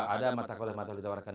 ada mata kuliah mataul ditawarkan